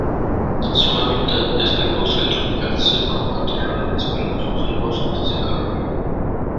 Su hábitat es el bosque tropical seco, matorrales espinosos y bosques de carpe.